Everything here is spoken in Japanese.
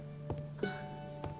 あっ。